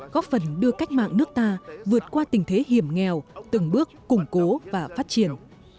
góp phần đưa cách mạng nước ta vượt qua tình thế hiểm nghèo từng bước củng cố và phát triển